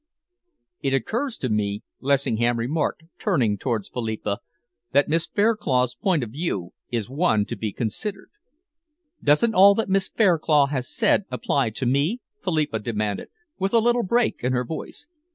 "It occurs to me," Lessingham remarked, turning towards Philippa, "that Miss Fairclough's point of view is one to be considered." "Doesn't all that Miss Fairclough has said apply to me?" Philippa demanded, with a little break in her voice.